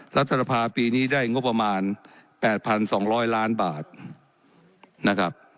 รัฐภาค์ปีนี้ได้งบประมาณแปดพันสองร้อยล้านบาทนะครับ